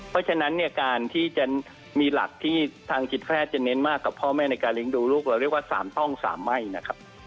เพราะฉะนั้นเนี่ยการที่จะมีหลักที่ทางจิตแพทย์จะเน้นมากกับพ่อแม่ในการเลี้ยงดูลูกเราเรียกว่า๓ท่อง๓ไหม้นะครับ